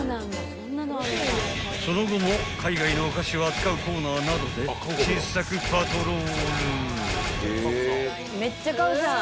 ［その後も海外のお菓子を扱うコーナーなどで新作パトロール］